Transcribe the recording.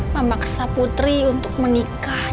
memaksa putri untuk menikahnya